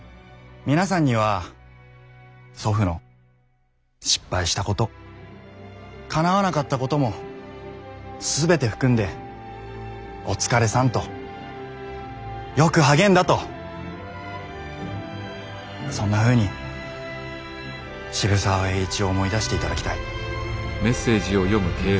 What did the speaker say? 皆さんには祖父の失敗したことかなわなかったことも全て含んで「お疲れさん」と「よく励んだ」とそんなふうに渋沢栄一を思い出していただきたい。